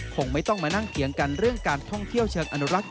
คงไม่ต้องมานั่งเถียงกันเรื่องการท่องเที่ยวเชิงอนุรักษ์